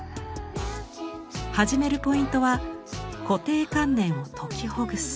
はじめるポイントは固定観念を解きほぐす。